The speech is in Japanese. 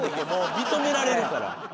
認められるから。